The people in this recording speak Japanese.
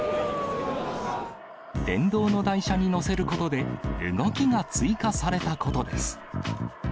電動の台車に載せることで、動きが追加されたことです。